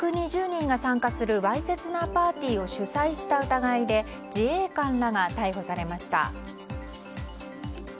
１２０人が参加するわいせつなパーティーを主催した疑いで自衛官らが逮捕されました。